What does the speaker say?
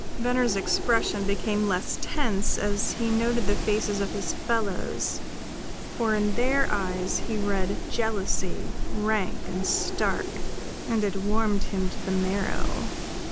Venner's expression became less tense as he noted the faces of his fellows; for in their eyes he read jealousy, rank and stark, and it warmed him to the marrow.